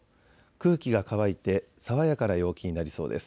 空気が乾いて爽やかな陽気になりそうです。